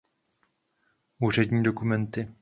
Úřední dokumenty.